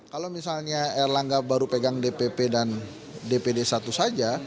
kalau misalnya erlangga baru pegang dpp dan dpd satu saja